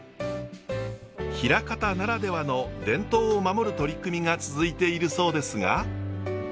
枚方ならではの伝統を守る取り組みが続いているそうですが。